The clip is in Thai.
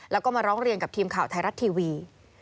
แล้วก็มาร้องเรียนกับทีมข่าวไทยรัฐทีวี